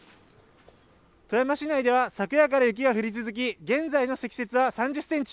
富山市内では昨夜から雪が降り続き、現在の積雪は３０ｃｍ。